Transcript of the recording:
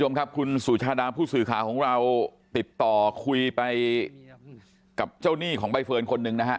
อ้าวคุณผู้สื่อขาของเราติดต่อคุยไปกับเจ้าหนี้ของใบเฟิร์นคนหนึ่งนะฮะ